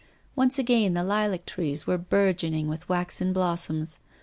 Once again the lilac trees were burgeoning with waxen blossoms.